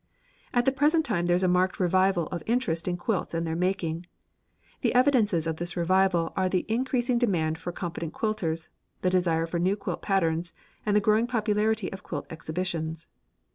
At the present time there is a marked revival of interest in quilts and their making. The evidences of this revival are the increasing demand for competent quilters, the desire for new quilt patterns, and the growing popularity of quilt exhibitions.